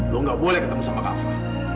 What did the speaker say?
lo nggak boleh ketemu sama kafa